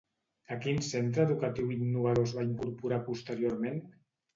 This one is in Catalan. A quin centre educatiu innovador es va incorporar posteriorment?